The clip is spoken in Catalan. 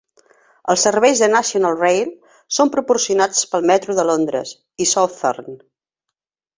Els serveis de National Rail són proporcionats pel metro de Londres i Southern.